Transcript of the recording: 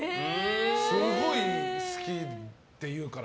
すごい好きって言うから。